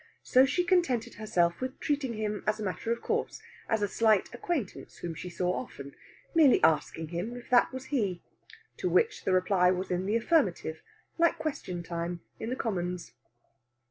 So she contented herself with treating him as a matter of course, as a slight acquaintance whom she saw often, merely asking him if that was he. To which the reply was in the affirmative, like question time in the Commons.